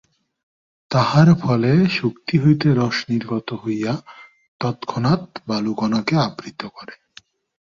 তাহার ফলে শুক্তি হইতে রস নির্গত হইয়া তৎক্ষণাৎ বালুকণাকে আবৃত করে।